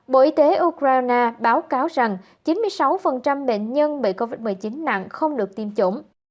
bộ y tế ukraine báo cáo rằng chín mươi sáu bệnh nhân bị covid một mươi chín nặng không được tiêm chủng